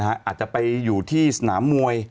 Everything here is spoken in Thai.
อาจจะไปอยู่ที่สนามมวย